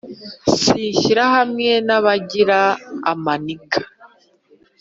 Sinshyira hamwe n'abagira amaniga